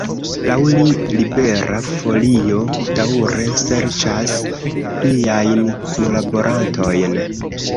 Laŭ li Libera Folio daŭre serĉas pliajn kunlaborantojn.